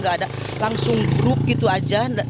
gak ada langsung grup gitu aja